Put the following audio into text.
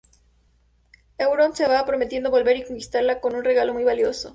Euron se va, prometiendo volver y conquistarla con un regalo muy valioso.